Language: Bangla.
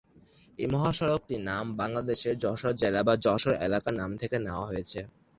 এই মহাসড়কটি নাম বাংলাদেশের যশোর জেলা বা যশোর এলাকার নাম থেকে নেওয়া হয়েছে।